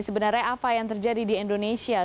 sebenarnya apa yang terjadi di indonesia